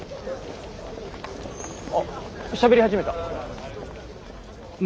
あっしゃべり始めた。